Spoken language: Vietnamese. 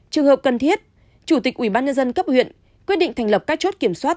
trường hợp cần thiết chủ tịch ubnd cấp huyện quyết định thành lập các chốt kiểm soát